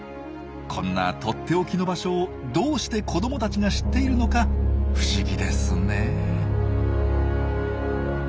こんなとっておきの場所をどうして子どもたちが知っているのか不思議ですねえ。